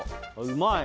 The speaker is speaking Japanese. うまい！